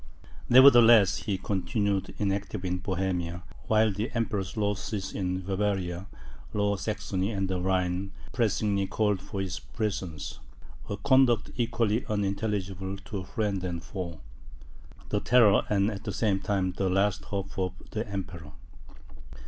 Nevertheless, he continued inactive in Bohemia, while the Emperor's losses in Bavaria, Lower Saxony, and the Rhine, pressingly called for his presence a conduct equally unintelligible to friend and foe the terror, and, at the same time, the last hope of the Emperor.